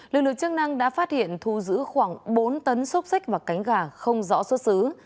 lực lượng chức năng đã phát hiện thu giữ khoảng bốn tấn xúc xích và cánh gà không rõ xuất xứ